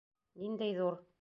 Ниндәй ҙур!